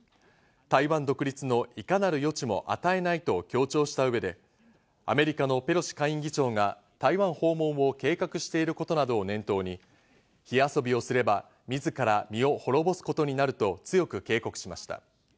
台湾独立のいかなる余地も与えないと強調した上で、アメリカのペロシ下院議長が台湾訪問を計画していることなどを念頭に、火遊びをすれば、自ら身を滅ぼすことになると強く警告しました。